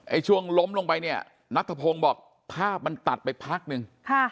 ช่วงล้มลงไปเนี่ยนัทธพงศ์บอกภาพมันตัดไปพักนึง